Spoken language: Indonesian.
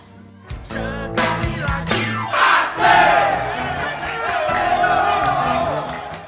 sekali lagi asik